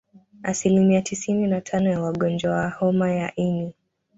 Asilimia tisini na tano ya wagonjwa wa homa ya ini